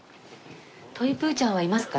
トイプーちゃんはいますか？